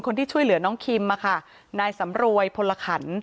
ช่วยเหลือน้องคิมมาค่ะนายสำรวยพลขัน